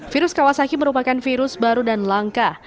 virus kawasaki merupakan virus baru dan langka